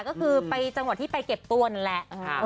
ก็คือไปจังหวัดที่ไปเก็บตัวนั่นแหละ